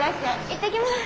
行ってきます。